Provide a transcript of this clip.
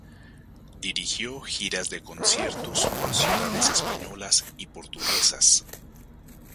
Dirigió giras de conciertos por ciudades españolas y portuguesas.